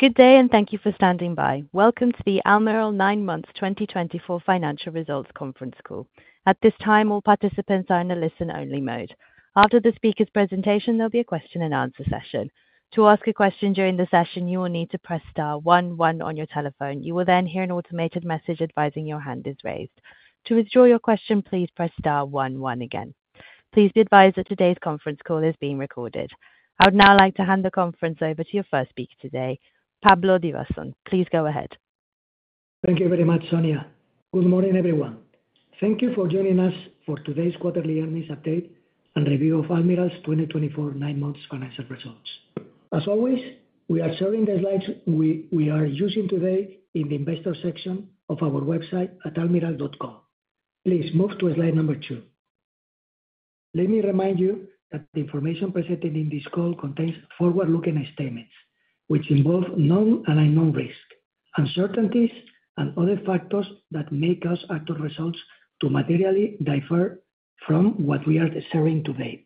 Good day, and thank you for standing by. Welcome to the Almirall Nine Months 2024 financial results conference call. At this time, all participants are in a listen-only mode. After the speaker's presentation, there'll be a question-and-answer session. To ask a question during the session, you will need to press star one one on your telephone. You will then hear an automated message advising your hand is raised. To withdraw your question, please press star one one again. Please be advised that today's conference call is being recorded. I would now like to hand the conference over to your first speaker today, Pablo Divasson. Please go ahead. Thank you very much, Sonia. Good morning, everyone. Thank you for joining us for today's quarterly earnings update and review of Almirall's 2024 nine months financial results. As always, we are sharing the slides we are using today in the investor section of our website at almirall.com. Please move to slide number two. Let me remind you that the information presented in this call contains forward-looking statements, which involve known and unknown risks, uncertainties, and other factors that may cause actual results to materially differ from what we are sharing today.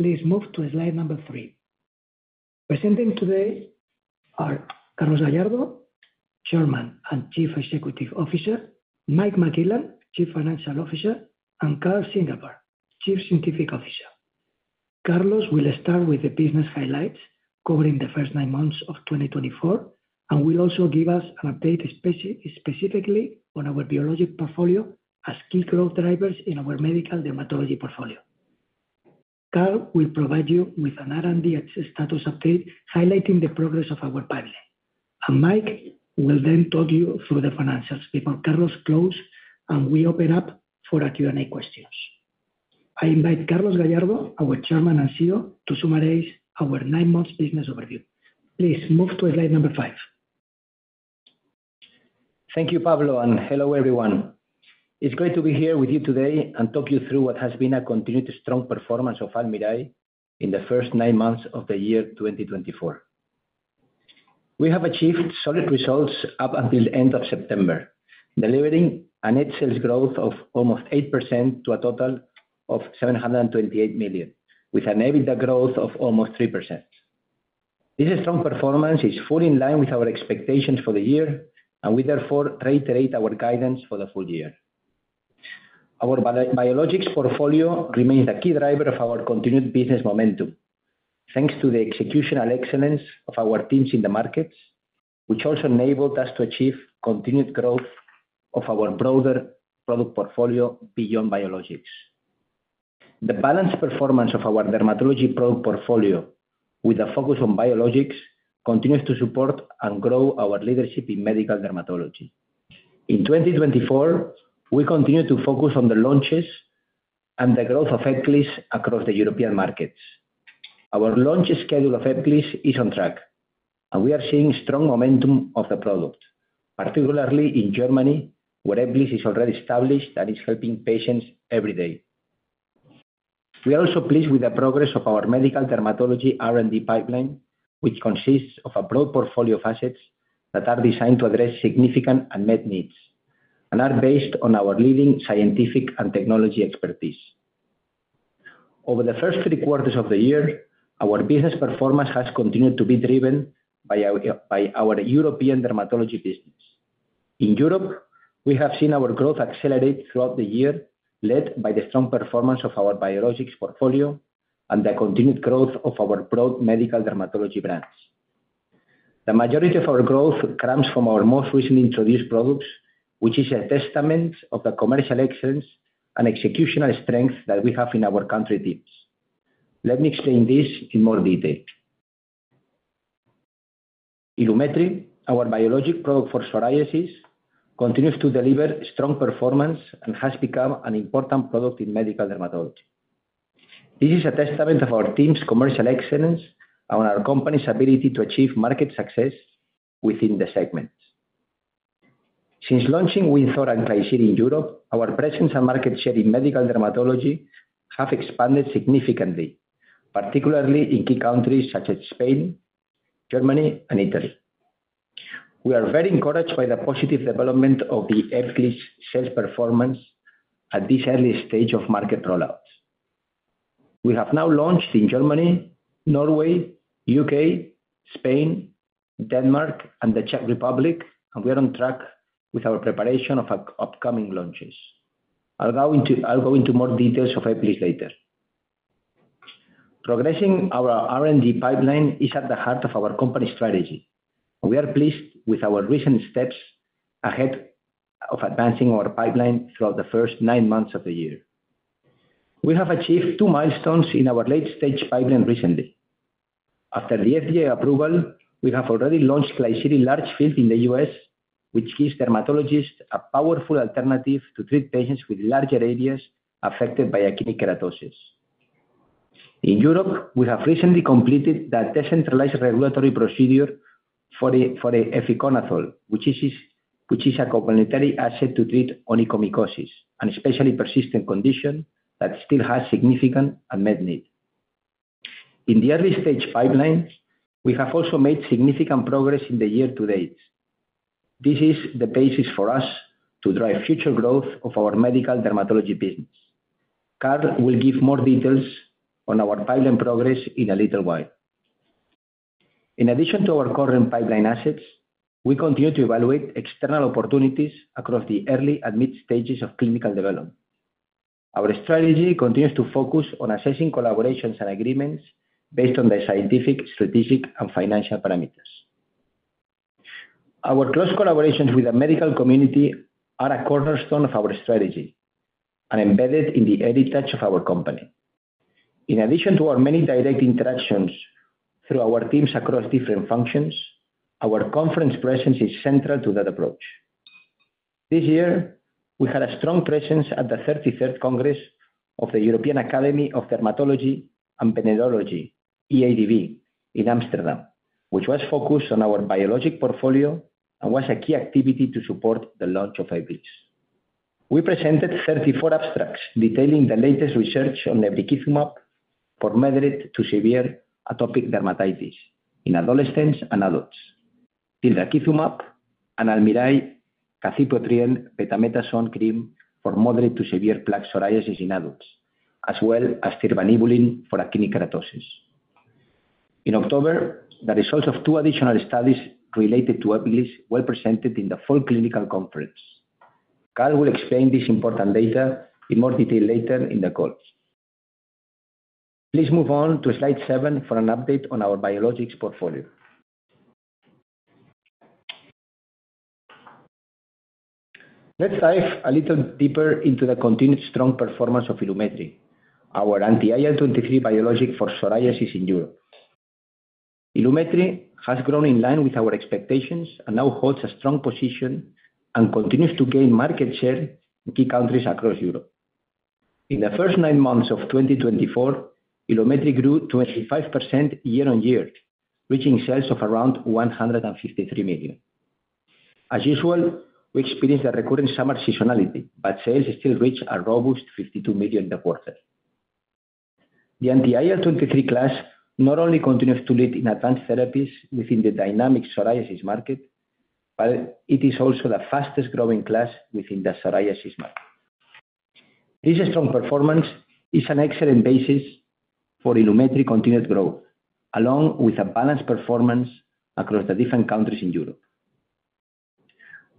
Please move to slide number three. Presenting today are Carlos Gallardo, Chairman and Chief Executive Officer, Mike McClellan, Chief Financial Officer, and Karl Ziegelbauer, Chief Scientific Officer. Carlos will start with the business highlights covering the first nine months of 2024 and will also give us an update specifically on our Biologic Portfolio as key growth drivers in our Medical Dermatology Portfolio. Karl will provide you with an R&D status update highlighting the progress of our pipeline, and Mike will then talk you through the financials before Carlos closes, and we open up for Q&A questions. I invite Carlos Gallardo, our Chairman and CEO, to summarize our nine-month business overview. Please move to slide number five. Thank you, Pablo, and hello, everyone. It's great to be here with you today and talk you through what has been a continued strong performance of Almirall in the first nine months of the year 2024. We have achieved solid results up until the end of September, delivering a net sales growth of almost 8% to a total of 728 million, with an EBITDA growth of almost 3%. This strong performance is fully in line with our expectations for the year, and we therefore reiterate our guidance for the full year. Our Biologics Portfolio remains the key driver of our continued business momentum, thanks to the executional excellence of our teams in the markets, which also enabled us to achieve continued growth of our broader product portfolio beyond biologics. The balanced performance of our Dermatology Product Portfolio, with a focus on biologics, continues to support and grow our leadership in Medical Dermatology. In 2024, we continue to focus on the launches and the growth of EBGLYSS across the European markets. Our launch schedule of EBGLYSS is on track, and we are seeing strong momentum of the product, particularly in Germany, where EBGLYSS is already established and is helping patients every day. We are also pleased with the progress of our Medical Dermatology R&D pipeline, which consists of a broad portfolio of assets that are designed to address significant unmet needs and are based on our leading scientific and technology expertise. Over the first three quarters of the year, our business performance has continued to be driven by our European Dermatology business. In Europe, we have seen our growth accelerate throughout the year, led by the strong performance of our Biologics Portfolio and the continued growth of our broad Medical Dermatology brands. The majority of our growth comes from our most recently introduced products, which is a testament to the commercial excellence and executional strength that we have in our country teams. Let me explain this in more detail. Ilumetri, our biologic product for psoriasis, continues to deliver strong performance and has become an important product in Medical Dermatology. This is a testament to our team's commercial excellence and our company's ability to achieve market success within the segment. Since launching Wynzora and Klisyri in Europe, our presence and market share in Medical Dermatology have expanded significantly, particularly in key countries such as Spain, Germany, and Italy. We are very encouraged by the positive development of the EBGLYSS sales performance at this early stage of market rollout. We have now launched in Germany, Norway, the U.K., Spain, Denmark, and the Czech Republic, and we are on track with our preparation of upcoming launches. I'll go into more details of EBGLYSS later. Progressing our R&D pipeline is at the heart of our company strategy, and we are pleased with our recent steps ahead of advancing our pipeline throughout the first nine months of the year. We have achieved two milestones in our late-stage pipeline recently. After the FDA approval, we have already launched Klisyri in large fields in the U.S., which gives dermatologists a powerful alternative to treat patients with larger areas affected by actinic keratosis. In Europe, we have recently completed the decentralized regulatory procedure for the efinaconazole, which is a complementary asset to treat onychomycosis, an especially persistent condition that still has significant unmet needs. In the early-stage pipeline, we have also made significant progress in the year-to-date. This is the basis for us to drive future growth of our Medical Dermatology business. Karl will give more details on our pipeline progress in a little while. In addition to our current pipeline assets, we continue to evaluate external opportunities across the early and mid stages of clinical development. Our strategy continues to focus on assessing collaborations and agreements based on the scientific, strategic, and financial parameters. Our close collaborations with the medical community are a cornerstone of our strategy and embedded in the heritage of our company. In addition to our many direct interactions through our teams across different functions, our conference presence is central to that approach. This year, we had a strong presence at the 33rd Congress of the European Academy of Dermatology and Venereology, EADV, in Amsterdam, which was focused on our Biologic Portfolio and was a key activity to support the launch of EBGLYSS. We presented 34 abstracts detailing the latest research on lebrikizumab for moderate to severe atopic dermatitis in adolescents and adults, lebrikizumab, and Almirall's calcipotriene betamethasone cream for moderate to severe plaque psoriasis in adults, as well as tirbanibulin for actinic keratosis. In October, the results of two additional studies related to ECLIS were presented IN the Fall Clinical Conference. Karl will explain this important data in more detail later in the call. Please move on to slide seven for an update on our Biologics Portfolio. Let's dive a little deeper into the continued strong performance of Ilumetri, our anti-IL-23 biologic for psoriasis in Europe. Ilumetri has grown in line with our expectations and now holds a strong position and continues to gain market share in key countries across Europe. In the first nine months of 2024, Ilumetri grew 25% year-on-year, reaching sales of around 153 million. As usual, we experience the recurring summer seasonality, but sales still reach a robust 52 million in the quarter. The anti-IL-23 class not only continues to lead in advanced therapies within the dynamic psoriasis market, but it is also the fastest-growing class within the psoriasis market. This strong performance is an excellent basis for Ilumetri's continued growth, along with balanced performance across the different countries in Europe.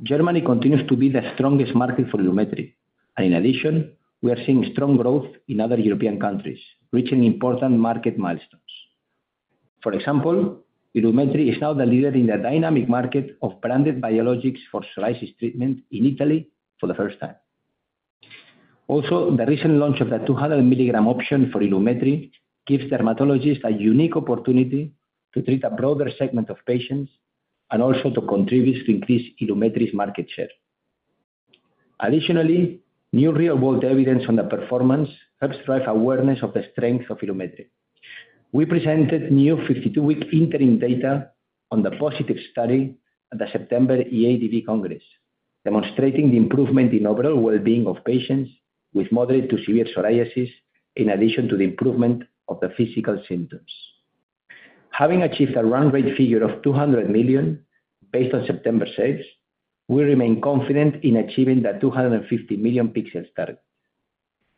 Germany continues to be the strongest market for Ilumetri, and in addition, we are seeing strong growth in other European countries, reaching important market milestones. For example, Ilumetri is now the leader in the dynamic market of branded biologics for psoriasis treatment in Italy for the first time. Also, the recent launch of the 200-mg option for Ilumetri gives dermatologists a unique opportunity to treat a broader segment of patients and also to contribute to increase Ilumetri's market share. Additionally, new real-world evidence on the performance helps drive awareness of the strength of Ilumetri. We presented new 52-week interim data on the positive study at the September EADV Congress, demonstrating the improvement in overall well-being of patients with moderate to severe psoriasis, in addition to the improvement of the physical symptoms. Having achieved a run rate figure of 200 million based on September sales, we remain confident in achieving the 250 million sales target.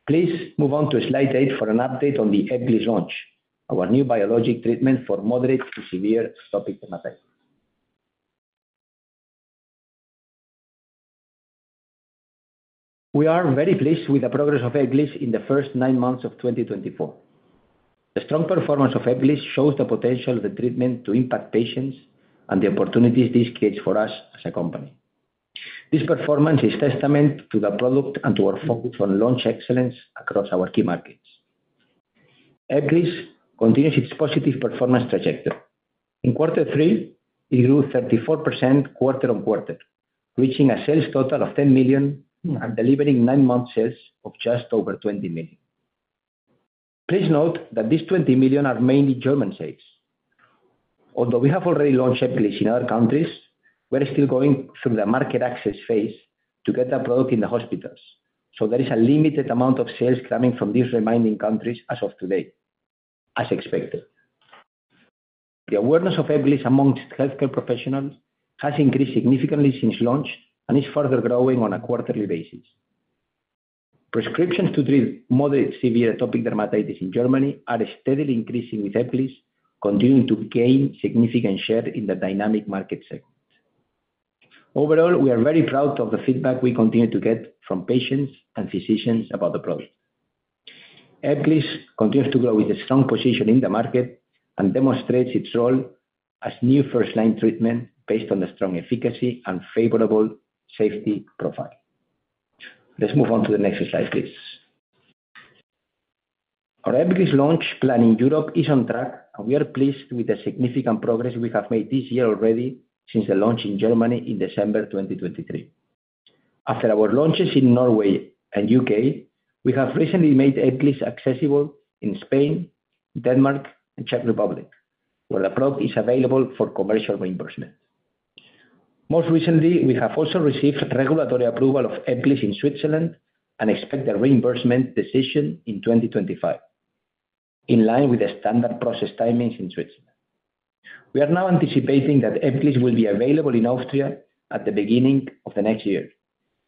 Please move on to slide eight for an update on the EBGLYSS launch, our new biologic treatment for moderate to severe atopic dermatitis. We are very pleased with the progress of EBGLYSS in the first nine months of 2024. The strong performance of EBGLYSS shows the potential of the treatment to impact patients and the opportunities this creates for us as a company. This performance is a testament to the product and to our focus on launch excellence across our key markets. EBGLYSS continues its positive performance trajectory. In quarter three, it grew 34% quarter-on-quarter, reaching a sales total of 10 million and delivering nine-month sales of just over 20 million. Please note that these 20 million are mainly German sales. Although we have already launched EBGLYSS in other countries, we are still going through the market access phase to get the product in the hospitals, so there is a limited amount of sales coming from these remaining countries as of today, as expected. The awareness of EBGLYSS among healthcare professionals has increased significantly since launch and is further growing on a quarterly basis. Prescriptions to treat moderate to severe atopic dermatitis in Germany are steadily increasing, with EBGLYSS continuing to gain significant share in the dynamic market segment. Overall, we are very proud of the feedback we continue to get from patients and physicians about the product. EBGLYSS continues to grow with a strong position in the market and demonstrates its role as new first-line treatment based on the strong efficacy and favorable safety profile. Let's move on to the next slide, please. Our EBGLYSS launch plan in Europe is on track, and we are pleased with the significant progress we have made this year already since the launch in Germany in December 2023. After our launches in Norway and the U.K., we have recently made EBGLYSS accessible in Spain, Denmark, and the Czech Republic, where the product is available for commercial reimbursement. Most recently, we have also received regulatory approval of EBGLYSS in Switzerland and expect a reimbursement decision in 2025, in line with the standard process timings in Switzerland. We are now anticipating that EBGLYSS will be available in Austria at the beginning of the next year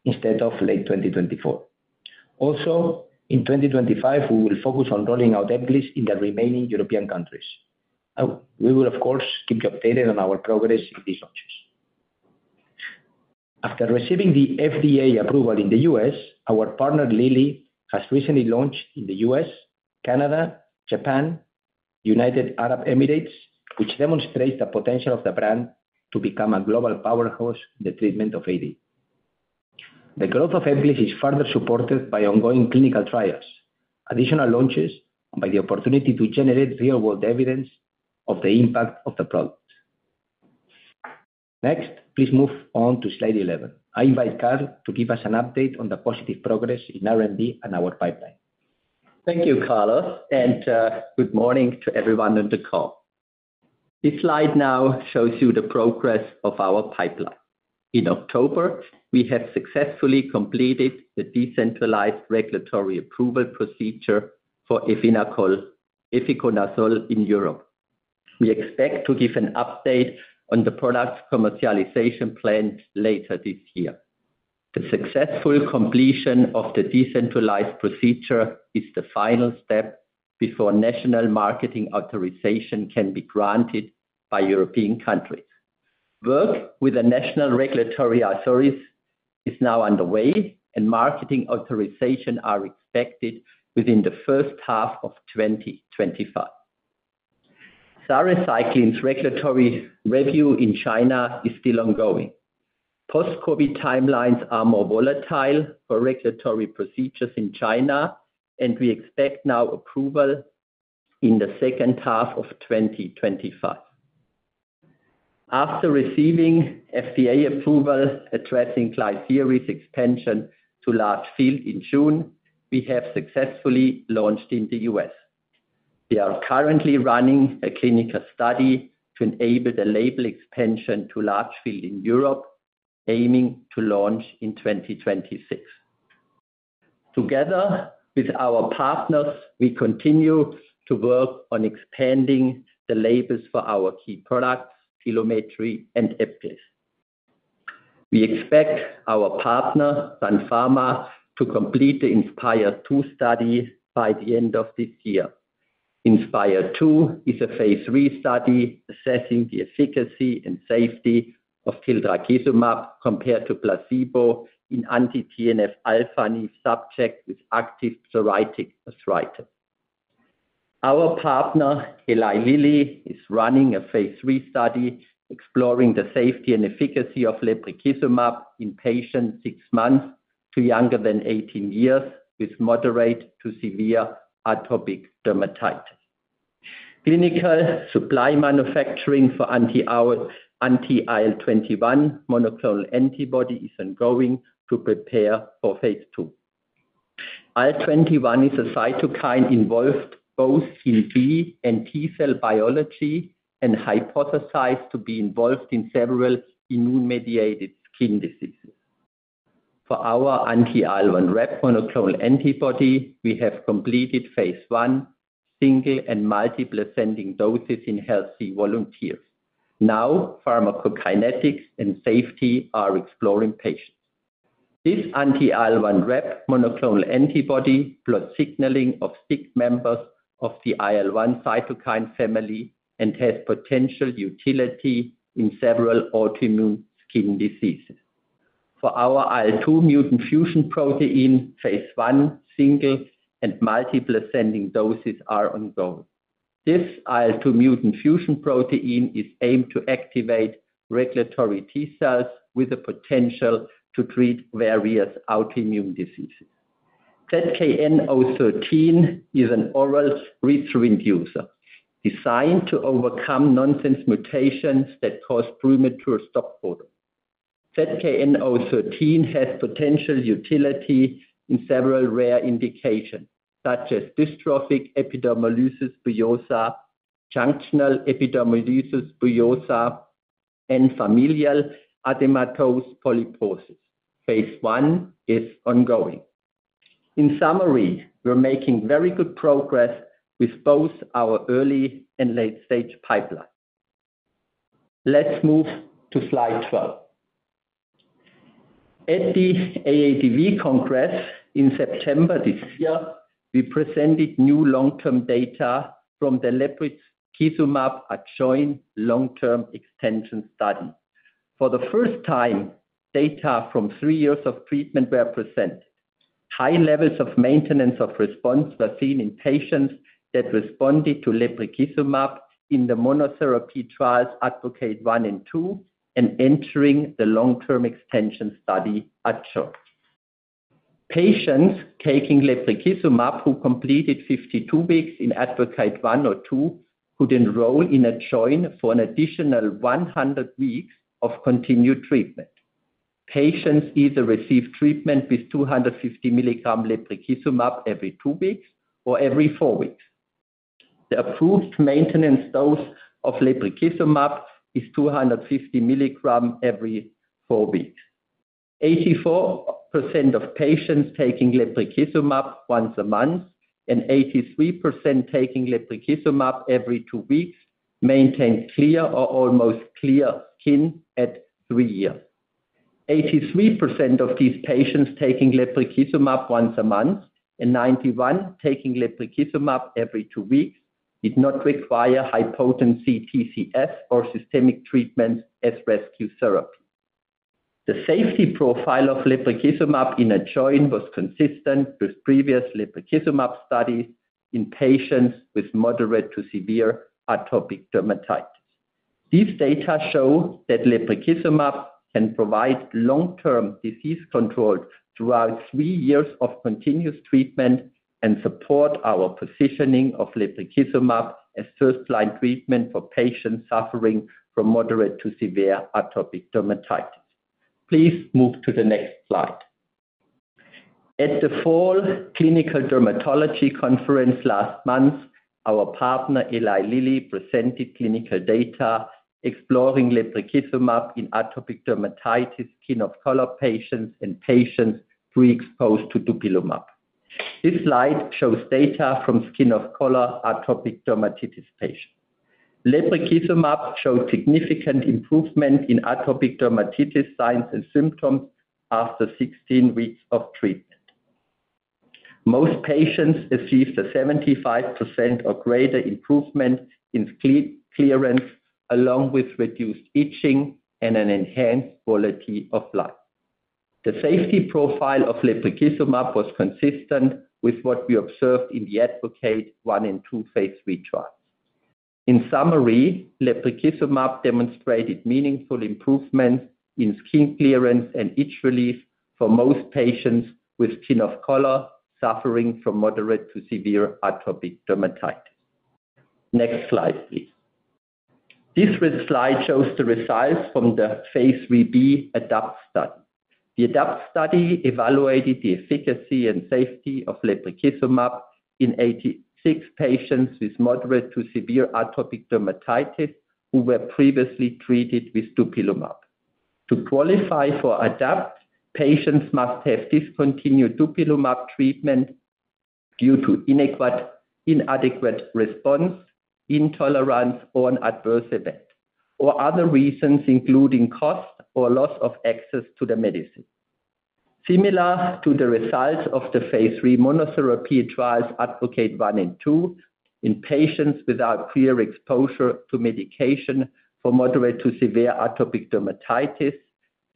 instead of late 2024. Also, in 2025, we will focus on rolling out EBGLYSS in the remaining European countries. We will, of course, keep you updated on our progress in these launches. After receiving the FDA approval in the U.S., our partner Lilly has recently launched in the U.S., Canada, Japan, and the United Arab Emirates, which demonstrates the potential of the brand to become a global powerhouse in the treatment of AD. The growth of EBGLYSS is further supported by ongoing clinical trials, additional launches, and by the opportunity to generate real-world evidence of the impact of the product. Next, please move on to slide 11. I invite Karl to give us an update on the positive progress in R&D and our pipeline. Thank you, Carlos, and good morning to everyone on the call. This slide now shows you the progress of our pipeline. In October, we have successfully completed the decentralized regulatory approval procedure for efinaconazole in Europe. We expect to give an update on the product's commercialization plan later this year. The successful completion of the decentralized procedure is the final step before national marketing authorization can be granted by European countries. Work with the national regulatory authorities is now underway, and marketing authorizations are expected within the first half of 2025. Sarecycline's regulatory review in China is still ongoing. Post-COVID timelines are more volatile for regulatory procedures in China, and we expect now approval in the second half of 2025. After receiving FDA approval addressing Klisyri's expansion to large fields in June, we have successfully launched in the U.S. We are currently running a clinical study to enable the label expansion to large fields in Europe, aiming to launch in 2026. Together with our partners, we continue to work on expanding the labels for our key products, Ilumetri and EBGLYSS. We expect our partner, Sun Pharma, to complete the INSPIRE-2 study by the end of this year. INSPIRE-2 is a phase III study assessing the efficacy and safety of tildrakizumab compared to placebo in anti-TNF alpha subjects with active psoriatic arthritis. Our partner, Eli Lilly, is running a phase III study exploring the safety and efficacy of lebrikizumab in patients six months to younger than 18 years with moderate to severe atopic dermatitis. Clinical supply manufacturing for anti-IL-21 monoclonal antibody is ongoing to prepare for phase II. IL-21 is a cytokine involved both in B and T cell biology and hypothesized to be involved in several immune-mediated skin diseases. For our anti-IL-1RAP monoclonal antibody, we have completed phase I, single and multiple ascending doses in healthy volunteers. Now, pharmacokinetics and safety are exploring patients. This anti-IL-1RAP monoclonal antibody blocks signaling of six members of the IL-1 cytokine family and has potential utility in several autoimmune skin diseases. For our IL-2 mutant fusion protein, phase I, single and multiple ascending doses are ongoing. This IL-2 mutant fusion protein is aimed to activate regulatory T cells with the potential to treat various autoimmune diseases. ZKN-013 is an oral readthrough inducer designed to overcome nonsense mutations that cause premature stop codon. ZKN-013 has potential utility in several rare indications, such as dystrophic epidermolysis bullosa, junctional epidermolysis bullosa, and familial adenomatous polyposis. Phase I is ongoing. In summary, we're making very good progress with both our early and late-stage pipeline. Let's move to slide 12. At the EADV Congress in September this year, we presented new long-term data from the lebrikizumab ADjoin long-term extension study. For the first time, data from three years of treatment were presented. High levels of maintenance of response were seen in patients that responded to lebrikizumab in the monotherapy trials ADvocate I and II, and entering the long-term extension study ADjoin. Patients taking lebrikizumab who completed 52 weeks in ADvocate I or II could enroll in ADjoin for an additional 100 weeks of continued treatment. Patients either receive treatment with 250 mg lebrikizumab every two weeks or every four weeks. The approved maintenance dose of lebrikizumab is 250 mg every four weeks. 84% of patients taking lebrikizumab once a month and 83% taking lebrikizumab every two weeks maintained clear or almost clear skin at three years. 83% of these patients taking lebrikizumab once a month and 91% taking lebrikizumab every two weeks did not require high-potency TCS or systemic treatments as rescue therapy. The safety profile of lebrikizumab in ADjoin was consistent with previous lebrikizumab studies in patients with moderate to severe atopic dermatitis. These data show that lebrikizumab can provide long-term disease control throughout three years of continuous treatment and support our positioning of lebrikizumab as first-line treatment for patients suffering from moderate to severe atopic dermatitis. Please move to the next slide. At the fall clinical dermatology conference last month, our partner, Eli Lilly, presented clinical data exploring lebrikizumab in atopic dermatitis skin of color patients and patients pre-exposed to dupilumab. This slide shows data from skin of color atopic dermatitis patients. Lebrikizumab showed significant improvement in atopic dermatitis signs and symptoms after 16 weeks of treatment. Most patients achieved a 75% or greater improvement in clearance, along with reduced itching and an enhanced quality of life. The safety profile of lebrikizumab was consistent with what we observed in the ADvocate I and II phase III trials. In summary, lebrikizumab demonstrated meaningful improvements in skin clearance and itch relief for most patients with skin of color suffering from moderate to severe atopic dermatitis. Next slide, please. This slide shows the results from the phase III-B ADAPT study. The ADAPT study evaluated the efficacy and safety of lebrikizumab in 86 patients with moderate to severe atopic dermatitis who were previously treated with dupilumab. To qualify for ADAPT, patients must have discontinued dupilumab treatment due to inadequate response, intolerance, or an adverse event, or other reasons including cost or loss of access to the medicine. Similar to the results of the phase III monotherapy trials, ADvocate I and II, in patients without clear exposure to medication for moderate to severe atopic dermatitis,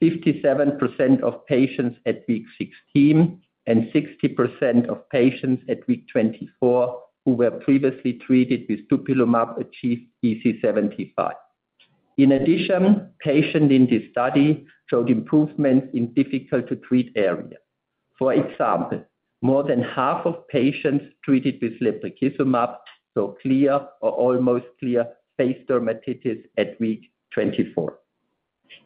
57% of patients at week 16 and 60% of patients at week 24 who were previously treated with dupilumab achieved EASI-75. In addition, patients in this study showed improvements in difficult-to-treat areas. For example, more than half of patients treated with lebrikizumab showed clear or almost clear facial dermatitis at week 24.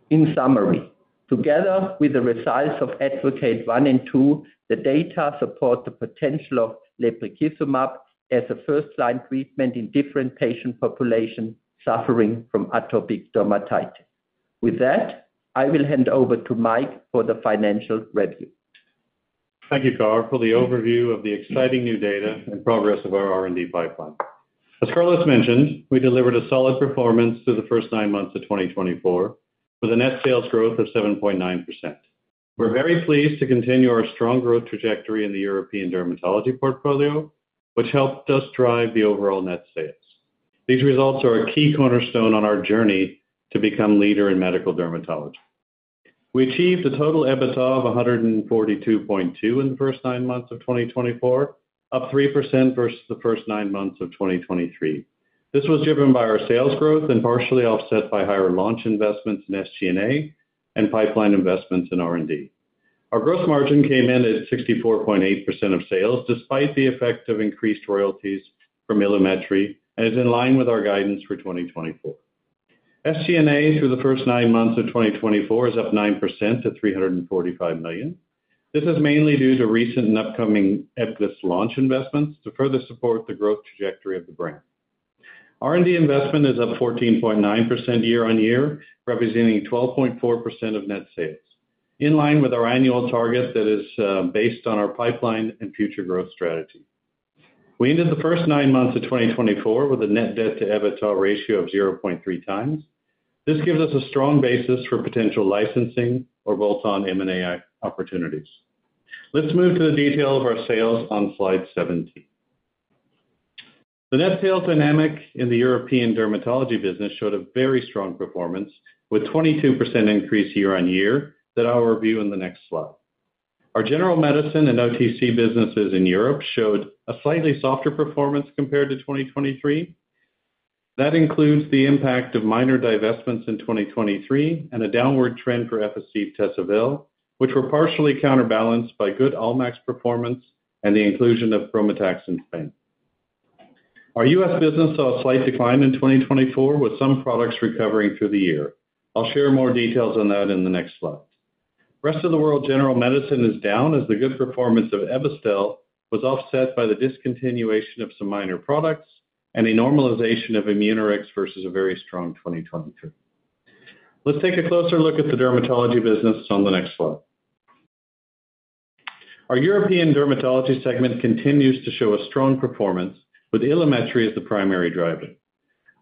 In summary, together with the results of ADvocate I and II, the data support the potential of lebrikizumab as a first-line treatment in different patient populations suffering from atopic dermatitis. With that, I will hand over to Mike for the financial review. Thank you, Karl, for the overview of the exciting new data and progress of our R&D pipeline. As Carlos mentioned, we delivered a solid performance through the first nine months of 2024 with a net sales growth of 7.9%. We're very pleased to continue our strong growth trajectory in the European Dermatology Portfolio, which helped us drive the overall net sales. These results are a key cornerstone on our journey to become a leader in Medical Dermatology. We achieved a total EBITDA of 142.2 million in the first nine months of 2024, up 3% versus the first nine months of 2023. This was driven by our sales growth and partially offset by higher launch investments in SG&A and pipeline investments in R&D. Our gross margin came in at 64.8% of sales, despite the effect of increased royalties from Ilumetri, and it's in line with our guidance for 2024. SG&A through the first nine months of 2024 is up 9% to 345 million. This is mainly due to recent and upcoming EBGLYSS launch investments to further support the growth trajectory of the brand. R&D investment is up 14.9% year-on-year, representing 12.4% of net sales, in line with our annual target that is based on our pipeline and future growth strategy. We ended the first nine months of 2024 with a net debt-to-EBITDA ratio of 0.3x. This gives us a strong basis for potential licensing or bolt-on M&A opportunities. Let's move to the detail of our sales on slide 17. The net sales dynamic in the European dermatology business showed a very strong performance with a 22% increase year-on-year that I'll review in the next slide. Our general medicine and OTC businesses in Europe showed a slightly softer performance compared to 2023. That includes the impact of minor divestments in 2023 and a downward trend for Ebastel, Tesavel, which were partially counterbalanced by good Almax performance and the inclusion of Prometax Spain. Our U.S. business saw a slight decline in 2024, with some products recovering through the year. I'll share more details on that in the next slide. The rest of the world general medicine is down as the good performance of Ebastel was offset by the discontinuation of some minor products and a normalization of Imunorix versus a very strong 2023. Let's take a closer look at the dermatology business on the next slide. Our European dermatology segment continues to show a strong performance, with Ilumetri as the primary driver.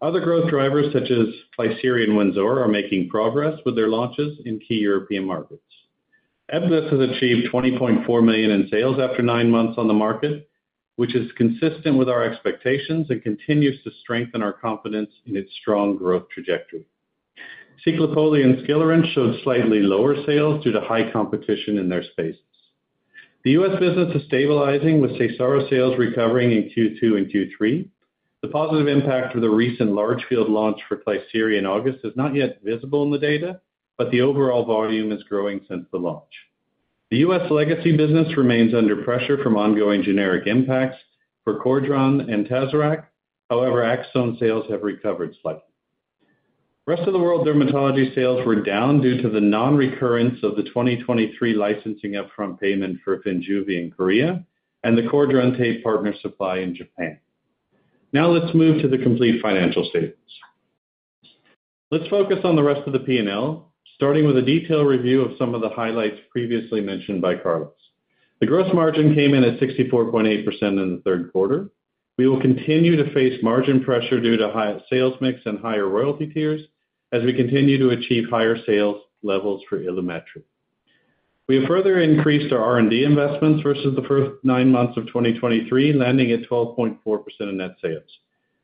Other growth drivers, such as Klisyri and Wynzora, are making progress with their launches in key European markets. EBGLYSS has achieved 20.4 million in sales after nine months on the market, which is consistent with our expectations and continues to strengthen our confidence in its strong growth trajectory. Ciclopoli and skilarence showed slightly lower sales due to high competition in their spaces. The U.S. business is stabilizing, with Seysara sales recovering in Q2 and Q3. The positive impact of the recent large field launch for Klisyri in August is not yet visible in the data, but the overall volume is growing since the launch. The U.S. legacy business remains under pressure from ongoing generic impacts for Cordran and Tazorac. However, Aczone sales have recovered slightly. The rest of the world dermatology sales were down due to the non-recurrence of the 2023 licensing upfront payment for Finjuvia in Korea and the Cordran Tape partner supply in Japan. Now let's move to the complete financial statements. Let's focus on the rest of the P&L, starting with a detailed review of some of the highlights previously mentioned by Carlos. The gross margin came in at 64.8% in the third quarter. We will continue to face margin pressure due to high sales mix and higher royalty tiers as we continue to achieve higher sales levels for Ilumetri. We have further increased our R&D investments versus the first nine months of 2023, landing at 12.4% of net sales.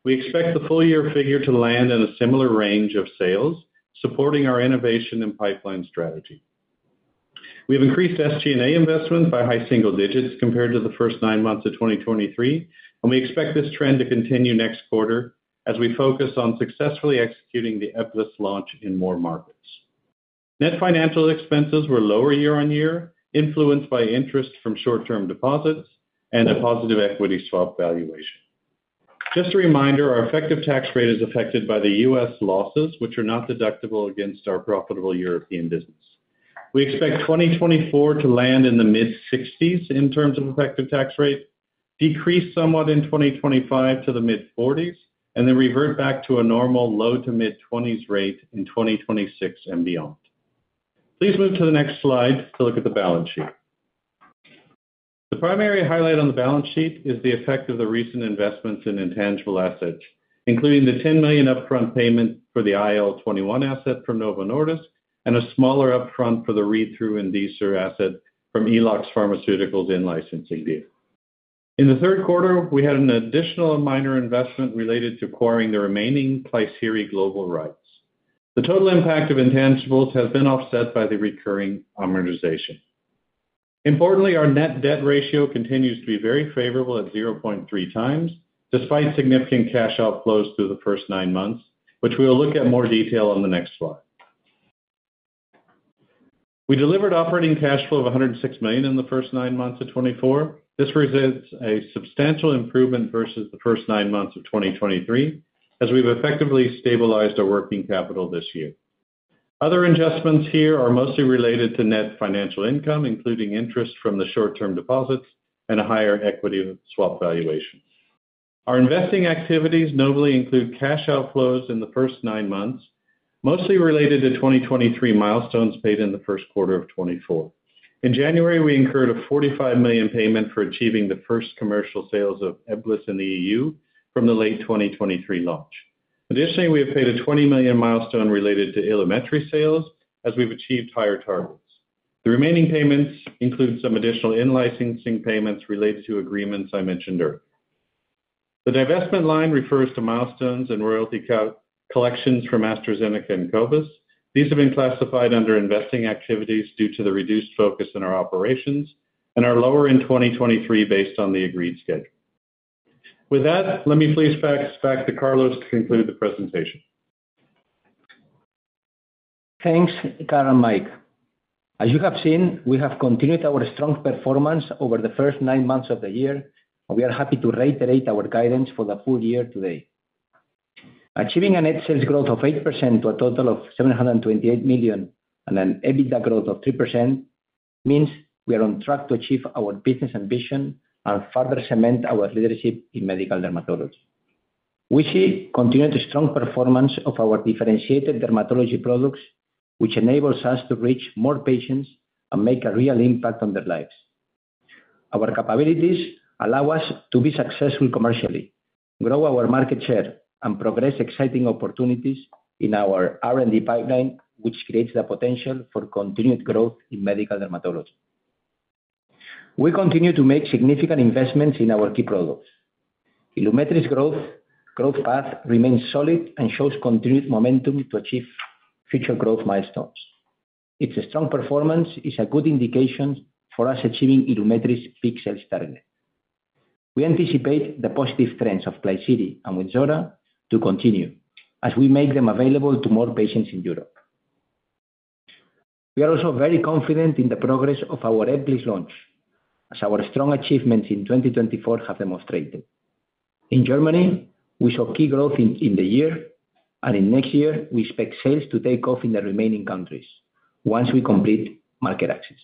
We expect the full-year figure to land in a similar range of sales, supporting our innovation and pipeline strategy. We have increased SG&A investments by high single digits compared to the first nine months of 2023, and we expect this trend to continue next quarter as we focus on successfully executing the ECLIS launch in more markets. Net financial expenses were lower year-on-year, influenced by interest from short-term deposits and a positive equity swap valuation. Just a reminder, our effective tax rate is affected by the U.S. losses, which are not deductible against our profitable European business. We expect 2024 to land in the mid-60s in terms of effective tax rate, decrease somewhat in 2025 to the mid-40s, and then revert back to a normal low to mid-20s rate in 2026 and beyond. Please move to the next slide to look at the balance sheet. The primary highlight on the balance sheet is the effect of the recent investments in intangible assets, including the 10 million upfront payment for the IL-21 asset from Novo Nordisk and a smaller upfront for the read-through and DCER asset from Eloxx Pharmaceuticals in licensing deal. In the third quarter, we had an additional minor investment related to acquiring the remaining Klisyri global rights. The total impact of intangibles has been offset by the recurring amortization. Importantly, our net debt ratio continues to be very favorable at 0.3x, despite significant cash outflows through the first nine months, which we'll look at in more detail on the next slide. We delivered operating cash flow of 106 million in the first nine months of 2024. This represents a substantial improvement versus the first nine months of 2023, as we've effectively stabilized our working capital this year. Other adjustments here are mostly related to net financial income, including interest from the short-term deposits and a higher equity swap valuation. Our investing activities notably include cash outflows in the first nine months, mostly related to 2023 milestones paid in the first quarter of 2024. In January, we incurred a 45 million payment for achieving the first commercial sales of EBGLYSS in the EU from the late 2023 launch. Additionally, we have paid a 20 million milestone related to Ilumetri sales, as we've achieved higher targets. The remaining payments include some additional in-licensing payments related to agreements I mentioned earlier. The divestment line refers to milestones and royalty collections for AstraZeneca and Covis. These have been classified under investing activities due to the reduced focus in our operations and are lower in 2023 based on the agreed schedule. With that, let me please pass back to Carlos to conclude the presentation. Thanks, Karl and Mike. As you have seen, we have continued our strong performance over the first nine months of the year, and we are happy to reiterate our guidance for the full year today. Achieving a net sales growth of 8% to a total of 728 million and an EBITDA growth of 3% means we are on track to achieve our business ambition and further cement our leadership in Medical Dermatology. We see continued strong performance of our differentiated dermatology products, which enables us to reach more patients and make a real impact on their lives. Our capabilities allow us to be successful commercially, grow our market share, and progress exciting opportunities in our R&D pipeline, which creates the potential for continued growth in Medical Dermatology. We continue to make significant investments in our key products. Ilumetri's growth path remains solid and shows continued momentum to achieve future growth milestones. Its strong performance is a good indication for us achieving Ilumetri's big sales target. We anticipate the positive trends of Klisyri and Wynzora to continue as we make them available to more patients in Europe. We are also very confident in the progress of our EBGLYSS launch, as our strong achievements in 2024 have demonstrated. In Germany, we saw key growth in the year, and in next year, we expect sales to take off in the remaining countries once we complete market access.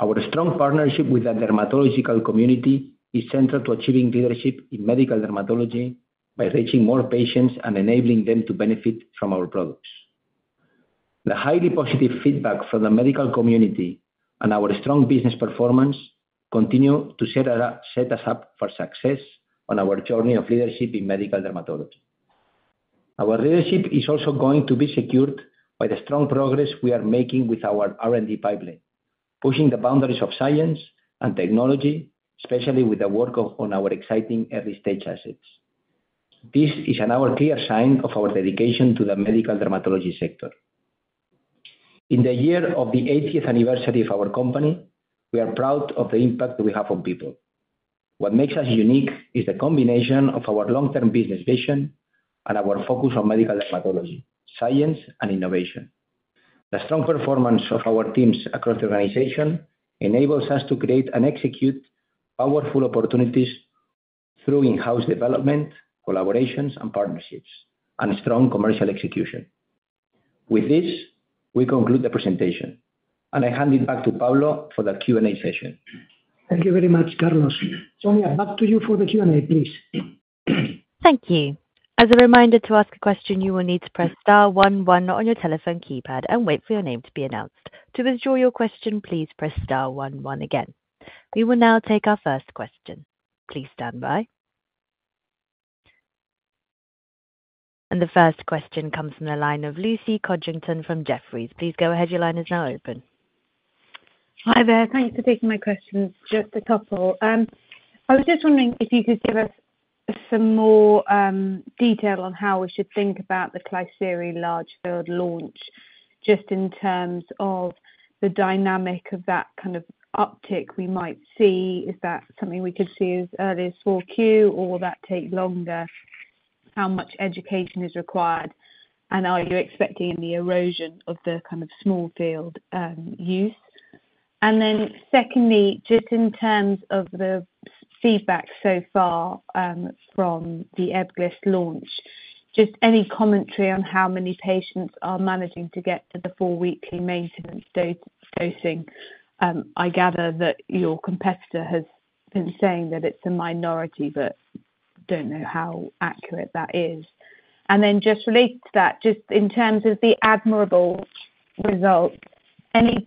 Our strong partnership with the dermatological community is central to achieving leadership in Medical Dermatology by reaching more patients and enabling them to benefit from our products. The highly positive feedback from the medical community and our strong business performance continue to set us up for success on our journey of leadership in Medical Dermatology. Our leadership is also going to be secured by the strong progress we are making with our R&D pipeline, pushing the boundaries of science and technology, especially with the work on our exciting early-stage assets. This is another clear sign of our dedication to the Medical Dermatology sector. In the year of the 80th anniversary of our company, we are proud of the impact we have on people. What makes us unique is the combination of our long-term business vision and our focus on Medical Dermatology, Science, and Innovation. The strong performance of our teams across the organization enables us to create and execute powerful opportunities through in-house development, collaborations, and partnerships, and strong commercial execution. With this, we conclude the presentation, and I hand it back to Pablo for the Q&A session. Thank you very much, Carlos. Sonia, back to you for the Q&A, please. Thank you. As a reminder to ask a question, you will need to press star one one on your telephone keypad and wait for your name to be announced. To withdraw your question, please press star one one again. We will now take our first question. Please stand by. And the first question comes from the line of Lucy Codrington from Jefferies. Please go ahead. Your line is now open. Hi there. Thanks for taking my question. Just to top up, I was just wondering if you could give us some more detail on how we should think about the Klisyri large field launch just in terms of the dynamic of that kind of uptick we might see. Is that something we could see as early as 4Q, or will that take longer? How much education is required? And are you expecting the erosion of the kind of small field use? And then secondly, just in terms of the feedback so far from the EBGLYSS launch, just any commentary on how many patients are managing to get to the four-weekly maintenance dosing? I gather that your competitor has been saying that it's a minority, but I don't know how accurate that is. And then just related to that, just in terms of the ADmire results, any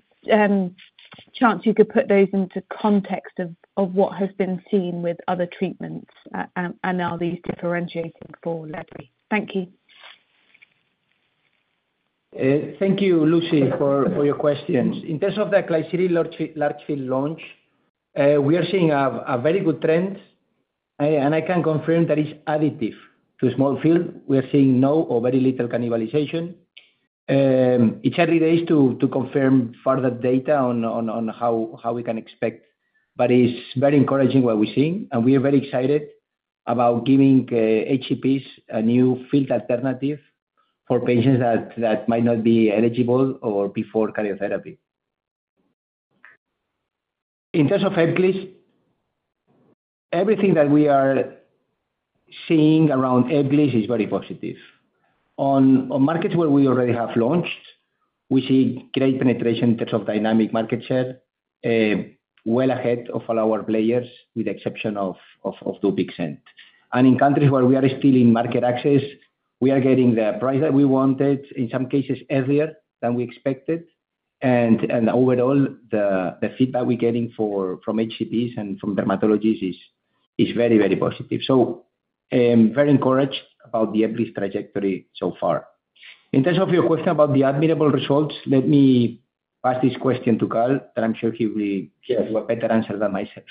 chance you could put those into context of what has been seen with other treatments, and are these differentiating for lebrikizumab? Thank you. Thank you, Lucy, for your questions. In terms of the Klisyri large field launch, we are seeing a very good trend, and I can confirm that it's additive to small field. We are seeing no or very little cannibalization. It's early days to confirm further data on how we can expect, but it's very encouraging what we're seeing, and we are very excited about giving HCPs a new field alternative for patients that might not be eligible or before cryotherapy. In terms of EBGLYSS, everything that we are seeing around EBGLYSS is very positive. On markets where we already have launched, we see great penetration in terms of dynamic market share, well ahead of all our players, with the exception of Dupixent. And in countries where we are still in market access, we are getting the price that we wanted, in some cases earlier than we expected. And overall, the feedback we're getting from HCPs and from dermatologists is very, very positive. So I'm very encouraged about the EBGLYSS trajectory so far. In terms of your question about the ADmire results, let me pass this question to Karl, and I'm sure he will give you a better answer than myself.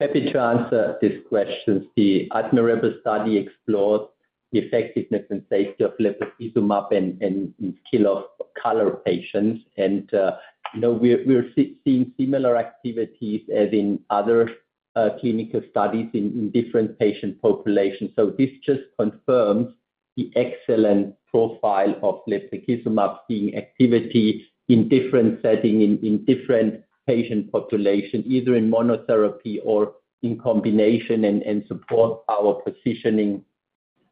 Happy to answer this question. The ADmire study explored the effectiveness and safety of lebrikizumab in the skin of color patients, and we're seeing similar activities as in other clinical studies in different patient populations. So this just confirms the excellent profile of lebrikizumab's activity in different settings, in different patient populations, either in monotherapy or in combination, and supports our positioning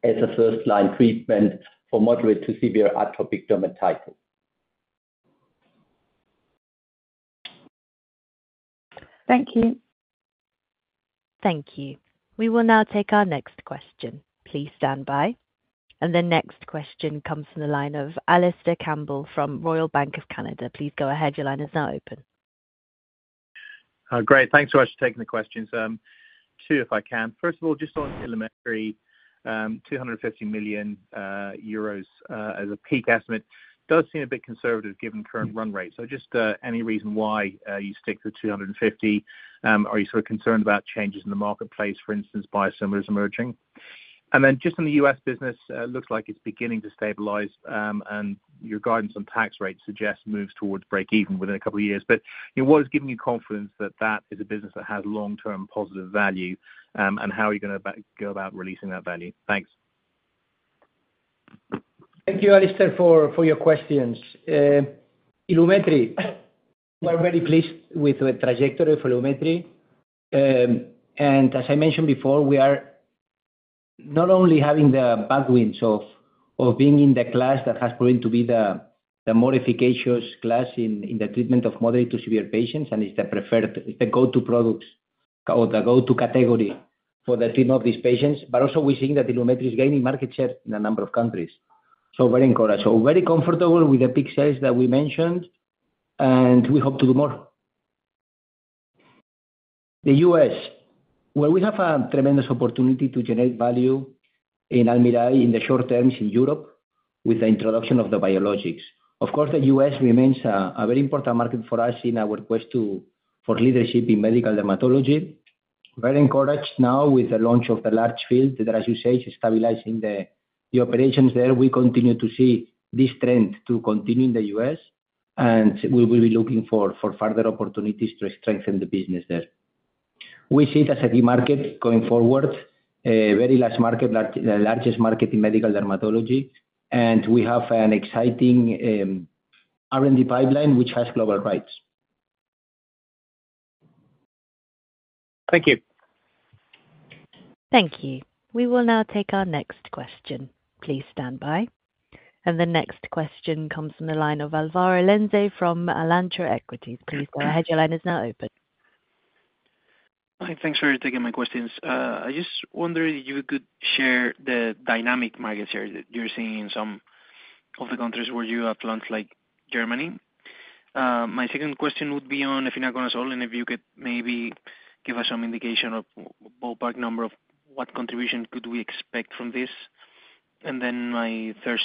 as a first-line treatment for moderate to severe atopic dermatitis. Thank you. Thank you. We will now take our next question. Please stand by. And the next question comes from the line of Alastair Campbell from Royal Bank of Canada. Please go ahead. Your line is now open. Great. Thanks so much for taking the questions. Two, if I can. First of all, just on Ilumetri, 250 million euros as a peak estimate does seem a bit conservative given current run rates. So just any reason why you stick to 250 million? Are you sort of concerned about changes in the marketplace, for instance, biosimilars emerging? And then just in the U.S. business, it looks like it's beginning to stabilize, and your guidance on tax rates suggests moves towards break-even within a couple of years. But what is giving you confidence that that is a business that has long-term positive value, and how are you going to go about releasing that value? Thanks. Thank you, Alastair, for your questions. Ilumetri, we're very pleased with the trajectory for Ilumetri. And as I mentioned before, we are not only having the headwinds of being in the class that has proven to be the more efficacious class in the treatment of moderate to severe patients, and it's the preferred, the go-to products or the go-to category for the treatment of these patients. But also, we're seeing that Ilumetri is gaining market share in a number of countries. So very encouraged. So very comfortable with the big sales that we mentioned, and we hope to do more. The U.S., well, we have a tremendous opportunity to generate value in Almirall in the short-term in Europe with the introduction of the biologics. Of course, the U.S. remains a very important market for us in our quest for leadership in Medical Dermatology. Very encouraged now with the launch of the large field that, as you say, is stabilizing the operations there. We continue to see this trend to continue in the U.S., and we will be looking for further opportunities to strengthen the business there. We see it as a key market going forward, a very large market, the largest market in Medical Dermatology, and we have an exciting R&D pipeline which has global rights. Thank you. Thank you. We will now take our next question. Please stand by. And the next question comes from the line of Alvaro Lenze from Alantra Equities. Please go ahead. Your line is now open. Hi. Thanks for taking my questions. I just wondered if you could share the dynamic market share that you're seeing in some of the countries where you have launched, like Germany. My second question would be on efinaconazole, and if you could maybe give us some indication of a ballpark number of what contribution could we expect from this. And then my third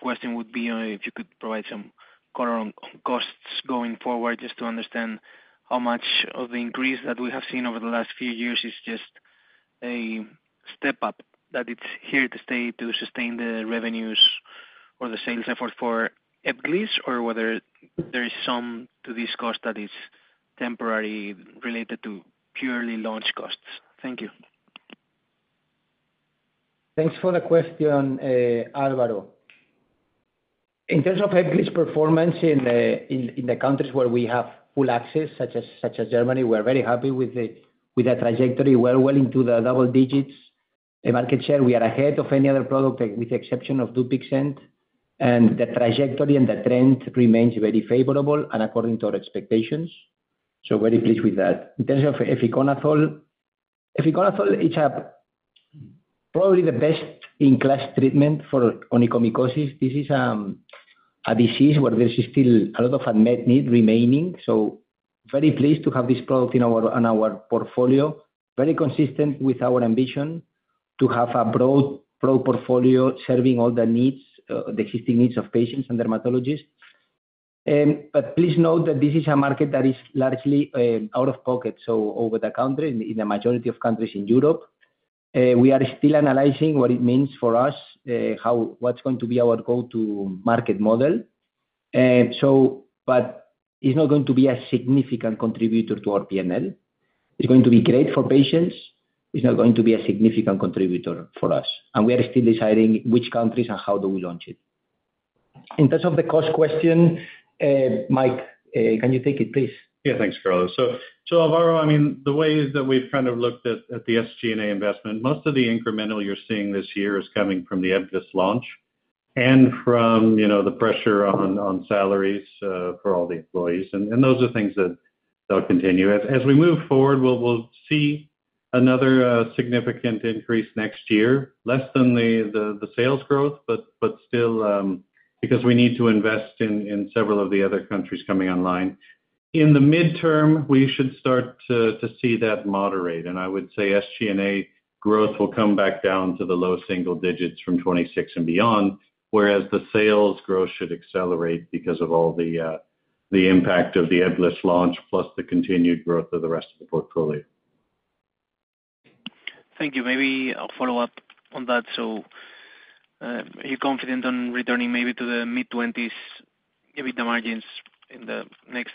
question would be if you could provide some color on costs going forward, just to understand how much of the increase that we have seen over the last few years is just a step up, that it's here to stay to sustain the revenues or the sales effort for EBGLYSS, or whether there is some to this cost that is temporary related to purely launch costs. Thank you. Thanks for the question, Álvaro. In terms of EBGLYSS performance in the countries where we have full access, such as Germany, we are very happy with the trajectory. We are well into the double digits in market share. We are ahead of any other product, with the exception of Dupixent, and the trajectory and the trend remains very favorable and according to our expectations. So very pleased with that. In terms of efinaconazole, efinaconazole is probably the best-in-class treatment for onychomycosis. This is a disease where there is still a lot of unmet need remaining. So very pleased to have this product in our portfolio, very consistent with our ambition to have a broad portfolio serving all the existing needs of patients and dermatologists. But please note that this is a market that is largely out of pocket, so over the counter in the majority of countries in Europe. We are still analyzing what it means for us, what's going to be our go-to market model. But it's not going to be a significant contributor to our P&L. It's going to be great for patients. It's not going to be a significant contributor for us. And we are still deciding which countries and how do we launch it. In terms of the cost question, Mike, can you take it, please? Yeah, thanks, Carlos. So Alvaro, I mean, the way that we've kind of looked at the SG&A investment, most of the incremental you're seeing this year is coming from the EBGLYSS launch and from the pressure on salaries for all the employees. And those are things that will continue. As we move forward, we'll see another significant increase next year, less than the sales growth, but still because we need to invest in several of the other countries coming online. In the midterm, we should start to see that moderate, and I would say SG&A growth will come back down to the low single digits from 26 and beyond, whereas the sales growth should accelerate because of all the impact of the EBGLYSS launch plus the continued growth of the rest of the portfolio. Thank you. Maybe I'll follow up on that. So are you confident on returning maybe to the mid-20s EBITDA margins in the next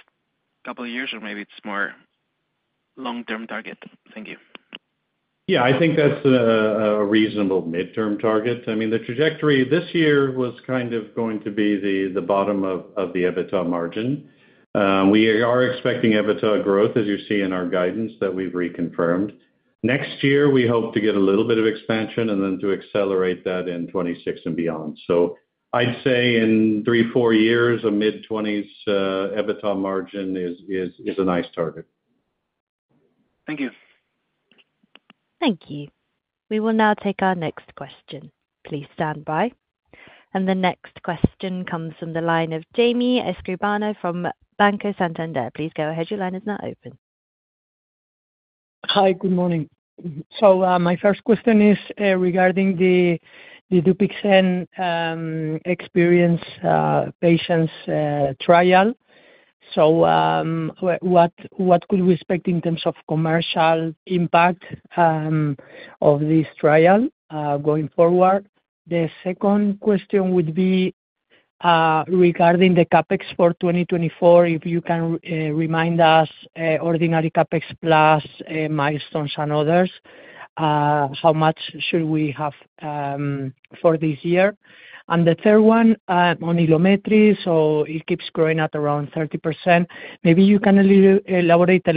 couple of years, or maybe it's more long-term target? Thank you. Yeah, I think that's a reasonable midterm target. I mean, the trajectory this year was kind of going to be the bottom of the EBITDA margin. We are expecting EBITDA growth, as you see in our guidance that we've reconfirmed. Next year, we hope to get a little bit of expansion and then to accelerate that in 2026 and beyond. So I'd say in three, four years, a mid-20s EBITDA margin is a nice target. Thank you. Thank you. We will now take our next question. Please stand by. And the next question comes from the line of Jaime Escribano from Banco Santander. Please go ahead. Your line is now open. Hi. Good morning. My first question is regarding the Dupixent-experienced patients' trial. What could we expect in terms of commercial impact of this trial going forward? The second question would be regarding the CapEx for 2024, if you can remind us, ordinary CapEx plus, milestones, and others, how much should we have for this year? The third one on Ilumetri, so it keeps growing at around 30%. Maybe you can elaborate a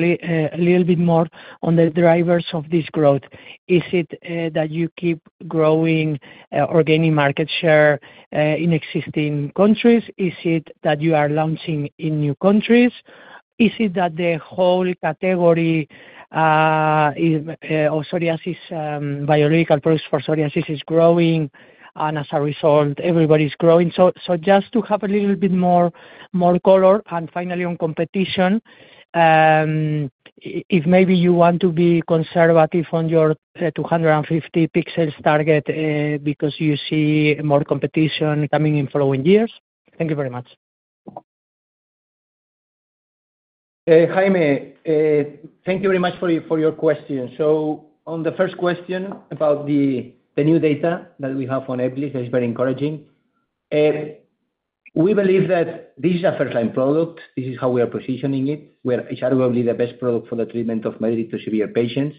little bit more on the drivers of this growth. Is it that you keep growing or gaining market share in existing countries? Is it that you are launching in new countries? Is it that the whole category of psoriasis biological products for psoriasis is growing, and as a result, everybody's growing? Just to have a little bit more color. Finally, on competition, if maybe you want to be conservative on your 250 million target because you see more competition coming in following years. Thank you very much. Jaime, thank you very much for your question. On the first question about the new data that we have on EBGLYSS, it's very encouraging. We believe that this is a first-line product. This is how we are positioning it. We are arguably the best product for the treatment of moderate to severe patients.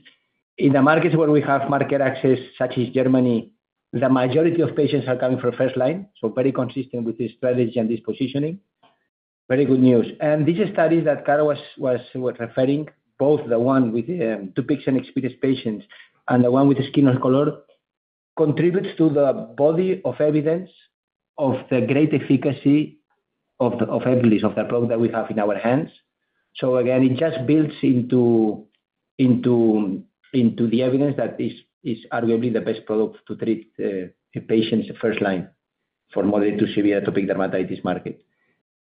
In the markets where we have market access, such as Germany, the majority of patients are coming for first-line, so very consistent with this strategy and this positioning. Very good news. These studies that Karl was referring to, both the one with Dupixent experienced patients and the one with skin of color, contribute to the body of evidence of the great efficacy of EBGLYSS, of the product that we have in our hands. Again, it just builds into the evidence that it's arguably the best product to treat patients first-line for moderate to severe atopic dermatitis market.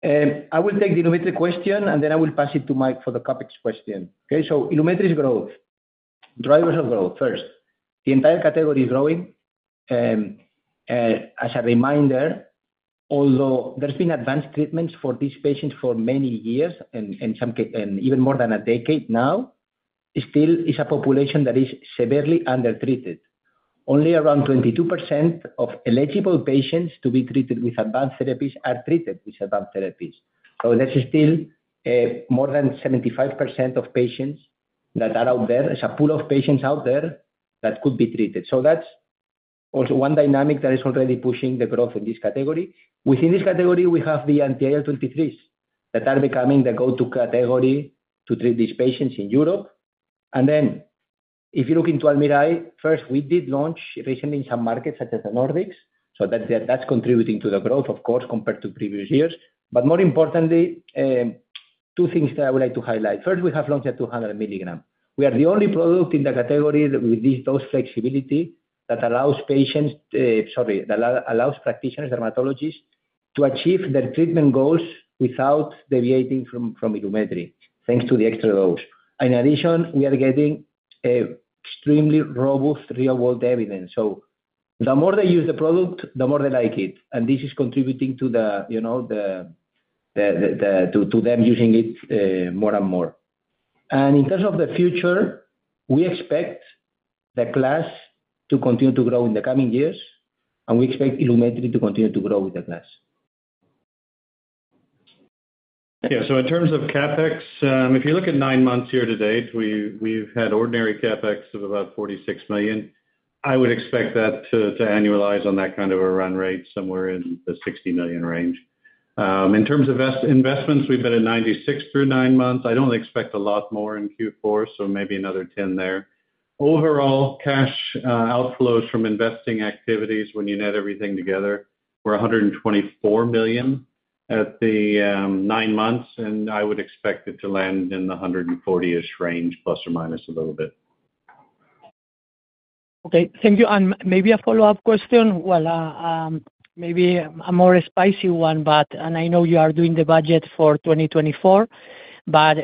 I will take the Ilumetri question, and then I will pass it to Mike for the CapEx question. Okay? Ilumetri's growth, drivers of growth, first. The entire category is growing. As a reminder, although there's been advanced treatments for these patients for many years, and even more than a decade now, still it's a population that is severely under-treated. Only around 22% of eligible patients to be treated with advanced therapies are treated with advanced therapies. That's still more than 75% of patients that are out there. It's a pool of patients out there that could be treated. So that's also one dynamic that is already pushing the growth in this category. Within this category, we have the anti-IL-23s that are becoming the go-to category to treat these patients in Europe. And then if you look into Almirall, first, we did launch recently in some markets such as the Nordics, so that's contributing to the growth, of course, compared to previous years. But more importantly, two things that I would like to highlight. First, we have launched at 200 mg. We are the only product in the category with this dose flexibility that allows patients, sorry, that allows practitioners, dermatologists, to achieve their treatment goals without deviating from Ilumetri, thanks to the extra dose. In addition, we are getting extremely robust real-world evidence. So the more they use the product, the more they like it. And this is contributing to them using it more and more. And in terms of the future, we expect the class to continue to grow in the coming years, and we expect Ilumetri to continue to grow with the class. Yeah. So in terms of CapEx, if you look at nine months here to date, we've had ordinary CapEx of about 46 million. I would expect that to annualize on that kind of a run rate somewhere in the 60 million range. In terms of investments, we've been at 96 million through nine months. I don't expect a lot more in Q4, so maybe another 10 million there. Overall cash outflows from investing activities, when you net everything together, were 124 million at the nine months, and I would expect it to land in the 140-ish million range, plus or minus a little bit. Okay. Thank you. And maybe a follow-up question, well, maybe a more spicy one, but I know you are doing the budget for 2024, but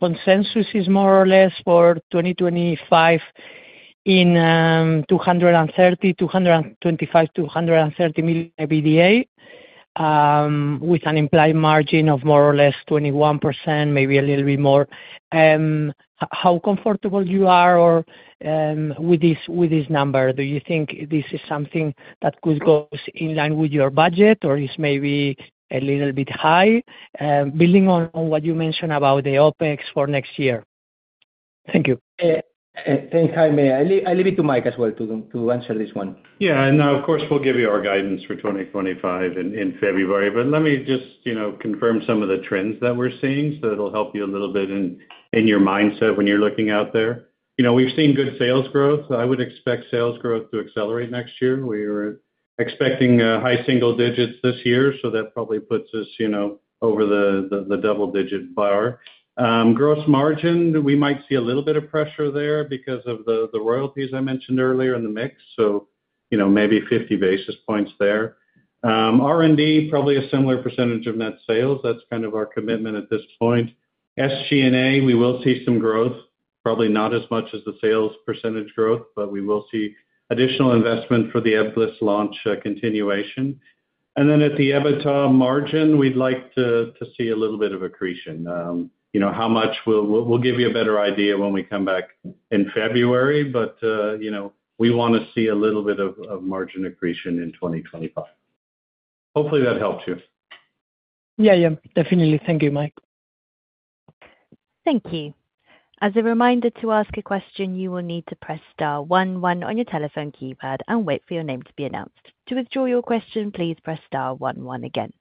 consensus is more or less for 2025 in EUR 230 million, EUR 225 million, EUR 230 million EBITDA with an implied margin of more or less 21%, maybe a little bit more. How comfortable you are with this number? Do you think this is something that could go in line with your budget, or is maybe a little bit high, building on what you mentioned about the OpEx for next year? Thank you. Thanks, Jaime. I leave it to Mike as well to answer this one. Yeah. And of course, we'll give you our guidance for 2025 in February, but let me just confirm some of the trends that we're seeing so that it'll help you a little bit in your mindset when you're looking out there. We've seen good sales growth. I would expect sales growth to accelerate next year. We were expecting high single digits this year, so that probably puts us over the double-digit bar. Gross margin, we might see a little bit of pressure there because of the royalties I mentioned earlier in the mix, so maybe 50 basis points there. R&D, probably a similar percentage of net sales. That's kind of our commitment at this point. SG&A, we will see some growth, probably not as much as the sales percentage growth, but we will see additional investment for the EBGLYSS launch continuation. And then at the EBITDA margin, we'd like to see a little bit of accretion. How much? We'll give you a better idea when we come back in February, but we want to see a little bit of margin accretion in 2025. Hopefully, that helps you. Yeah, yeah. Definitely. Thank you, Mike. Thank you. As a reminder to ask a question, you will need to press star one one on your telephone keypad and wait for your name to be announced. To withdraw your question, please press star one one again.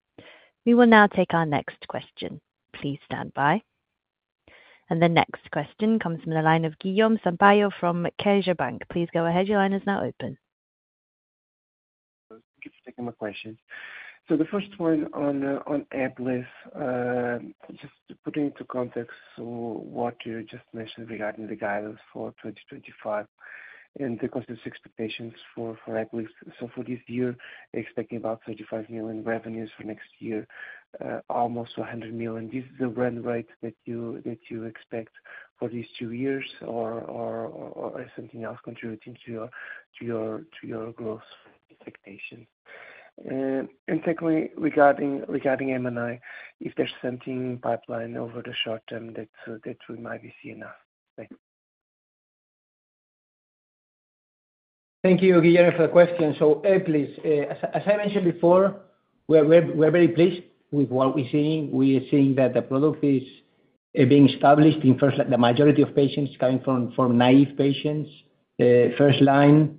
We will now take our next question. Please stand by. And the next question comes from the line of Guilherme Sampaio from CaixaBank. Please go ahead. Your line is now open. Thank you for taking my question. The first one on EBGLYSS, just putting into context what you just mentioned regarding the guidance for 2025 and the consensus expectations for EBGLYSS. For this year, expecting about 35 million revenues for next year, almost 100 million. This is the run rate that you expect for these two years, or is something else contributing to your growth expectations? And secondly, regarding M&A, if there's something in pipeline over the short-term that we might be seeing now. Thank you. Thank you, Guilherme, for the question. EBGLYSS, as I mentioned before, we're very pleased with what we're seeing. We are seeing that the product is being established in the majority of patients coming from naive patients, first-line.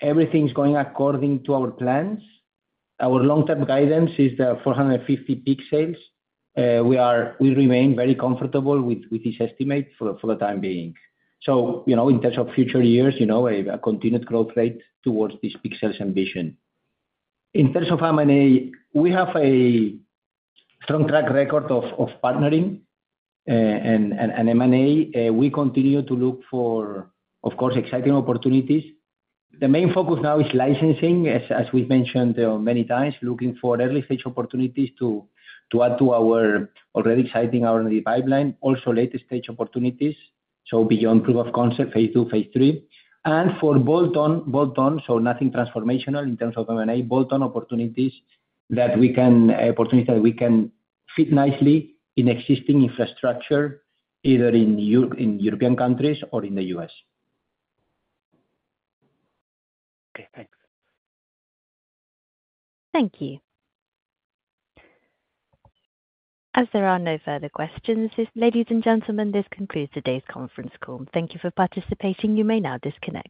Everything's going according to our plans. Our long-term guidance is the 450 million peak sales. We remain very comfortable with this estimate for the time being. So in terms of future years, a continued growth rate towards these peak sales ambition. In terms of M&A, we have a strong track record of partnering and M&A. We continue to look for, of course, exciting opportunities. The main focus now is licensing, as we've mentioned many times, looking for early-stage opportunities to add to our already exciting R&D pipeline. Also, late-stage opportunities, so beyond proof of concept, phase II, phase III. And for bolt-on, so nothing transformational in terms of M&A, bolt-on opportunities that we can fit nicely in existing infrastructure, either in European countries or in the U.S. Okay. Thanks. Thank you. As there are no further questions, ladies and gentlemen, this concludes today's conference call. Thank you for participating. You may now disconnect.